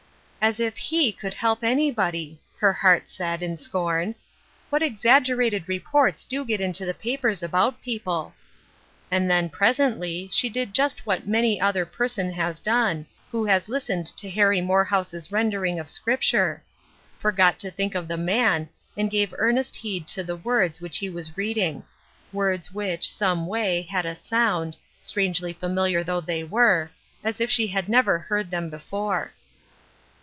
" As if he could help anybody !" her heart said, in scorn. *' What exaggerated reports do get into the papers about people !" And then, presently, she did just what many another person has done, who has listened to Harry Morehouse's rendering of Scripture — forgot to think of the man, and gave earnest heed to the words which he was reading ; words which, someway, had a sound — strangely familiar though they were — as if she had never heard them before.